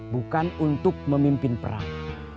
bukan untuk memimpin perang